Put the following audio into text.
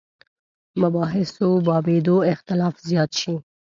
مباحثو بابېدو اختلاف زیات شي.